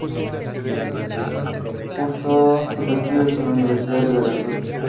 Cursó sus estudios en la Universidad de Veracruz.